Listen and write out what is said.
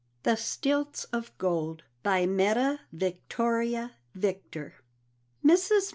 THE STILTS OF GOLD. BY METTA VICTORIA VICTOR. Mrs.